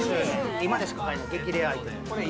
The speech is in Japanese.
今でしか買えない激レアアイテム。